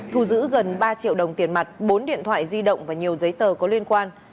thu giữ gần ba triệu đồng tiền mặt bốn điện thoại di động và nhiều giấy tờ có liên quan